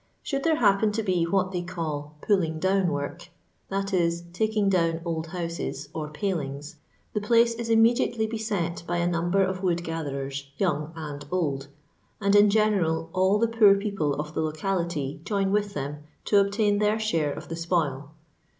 Should there happen to be what they call pull ing down work," that is, taking down old houses, or palings, the place is immediately beset by a number of wood gatherers, young and old, and in general all the poor people of the locality join with them, to obtain their share of the spoil.